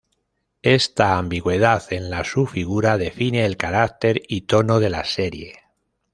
Esta ambigüedad en la su figura define el carácter y tono de la serie.